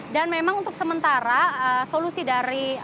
dan memang untuk sementara itu kita harus mencari jalan yang lebih jauh